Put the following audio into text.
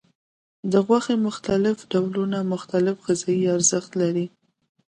د غوښې مختلف ډولونه مختلف غذایي ارزښت لري.